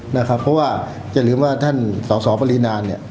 นะครับเพราะว่าอย่าลืมว่าท่านสอบสอบปรินานเนี้ย